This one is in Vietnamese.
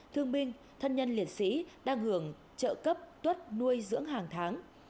thương binh thân nhân liệt sĩ đang hưởng trợ cấp tuất nuôi dưỡng hàng tháng